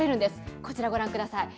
こちらご覧ください。